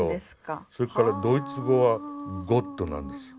それからドイツ語は「Ｇｏｔｔ」なんですよ。